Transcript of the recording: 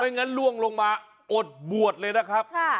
งั้นล่วงลงมาอดบวชเลยนะครับ